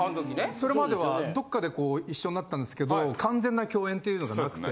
それまではどっかで一緒になったんですけど完全な共演っていうのがなくて。